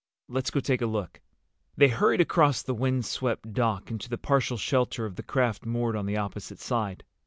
"Let's go take a look." They hurried across the windswept dock into the partial shelter of the craft moored on the opposite side.